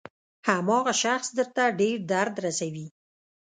هماغه شخص درته ډېر درد رسوي.